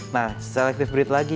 nah selektif breed lagi